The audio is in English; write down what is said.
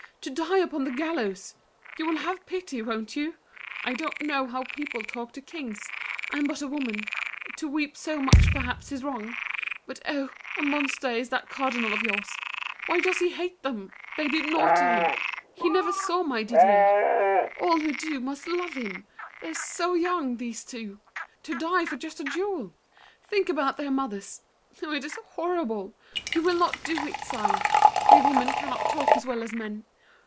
to die upon the gallows! You will have pity, won't you? I don't know How people talk to kings—I'm but a woman; To weep so much perhaps is wrong. But oh, A monster is that cardinal of yours. Why does he hate them? They did naught to him. He never saw my Didier. All who do Must love him! They're so young—these two! To die For just a duel! Think about their mothers. Oh, it is horrible! You will not do it, sire! We women cannot talk as well as men.